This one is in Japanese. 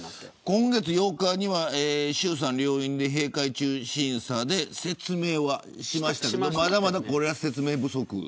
今月８日には衆参両院の閉会中審査で説明はしましたけどまだまだ、これは説明不足。